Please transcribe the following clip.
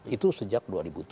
itu sejak dua ribu tujuh belas